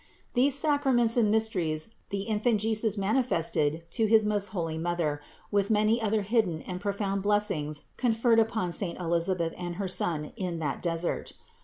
These sacraments and mysteries the Infant Jesus manifested to his most holy Mother with many other hidden and profound blessings conferred upon saint Elisabeth and her son in that desert.